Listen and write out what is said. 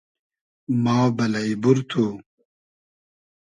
ما بئلݷ بور تو